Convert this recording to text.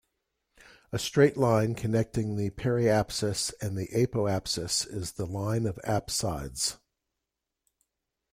A straight line connecting the periapsis and apoapsis is the "line of apsides".